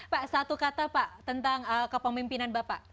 pak satu kata pak tentang kepemimpinan bapak